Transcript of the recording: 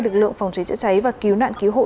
lực lượng phòng cháy chữa cháy và cứu nạn cứu hộ